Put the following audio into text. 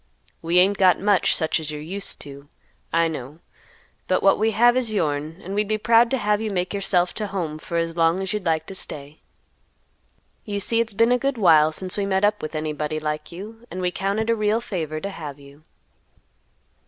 We ain't got much such as you're used to, I know, but what we have is yourn, and we'd be proud to have you make yourself to home for as long as you'd like to stay. You see it's been a good while since we met up with anybody like you, and we count it a real favor to have you."